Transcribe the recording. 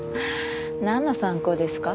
なんの参考ですか？